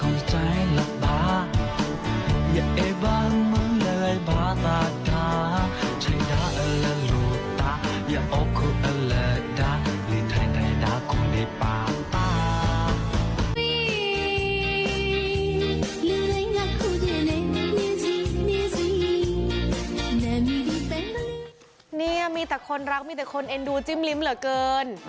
เนี่ยมีแต่คนรักมีแต่คนเอ็นดูจิ้มลิ้มเหลือเกิน